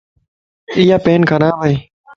ايا پين خراب ائي.